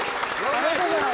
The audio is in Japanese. ありがとうございます。